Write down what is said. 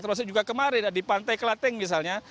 termasuk juga kemarin di pantai kelating misalnya